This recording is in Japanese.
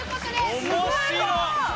面白っ！